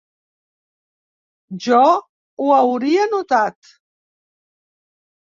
Jo ho hauria notat.